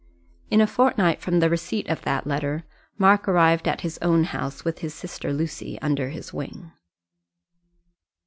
In a fortnight from the receipt of that letter Mark arrived at his own house with his sister Lucy under his wing.